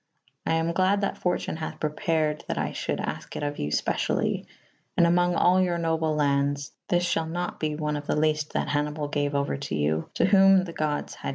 I am glad that fortune hathe prepared that I f hulde afke it of you fpecially. And amonge all your noble la«des^ this i'hall not be one of the lefte" that Hanibal gaue ouer to you / to whom the goddes had gyuen ' B.